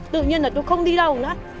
tự nhiên là tôi không đi đâu nữa